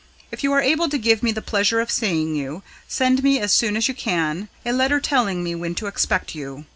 If you are able to give me the pleasure of seeing you, send me as soon as you can a letter telling me when to expect you.